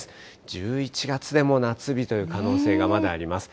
１１月でも夏日という可能性がまだあります。